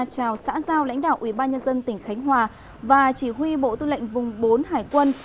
chào xã giao lãnh đạo ubnd tỉnh khánh hòa và chỉ huy bộ tư lệnh vùng bốn hải quân